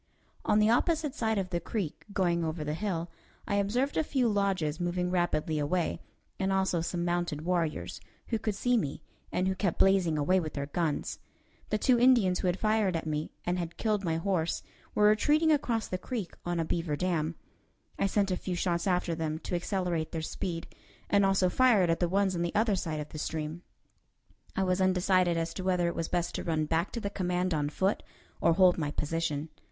On the opposite side of the creek, going over the hill, I observed a few lodges moving rapidly away, and also some mounted warriors, who could see me, and who kept blazing away with their guns. The two Indians who had fired at me, and had killed my horse, were retreating across the creek on a beaver dam. I sent a few shots after them to accelerate their speed, and also fired at the ones on the other side of the stream. I was undecided as to whether it was best to run back to the command on foot or hold my position.